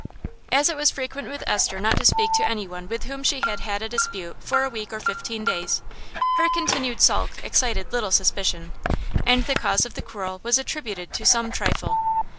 As it was frequent with Esther not to speak to anyone with whom she had had a dispute for a week or fifteen days, her continued sulk excited little suspicion, and the cause of the quarrel was attributed to some trifle.